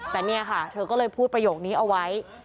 แต่เนี่ยค่ะเธอก็เลยพูดประโยคนี้เอาไว้